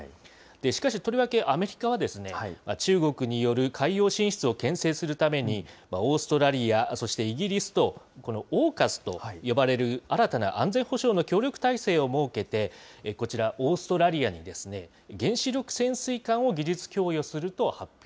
しかし、とりわけアメリカは、中国による海洋進出をけん制するために、オーストラリア、そしてイギリスと、このオーカスと呼ばれる新たな安全保障の協力体制を設けて、こちら、オーストラリアに原子力潜水艦を技術供与すると発表。